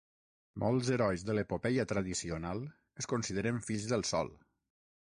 Molts herois de l'epopeia tradicional es consideren fills del Sol.